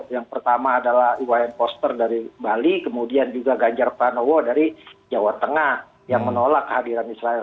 yang pertama adalah iwayan poster dari bali kemudian juga ganjar pranowo dari jawa tengah yang menolak hadiran israel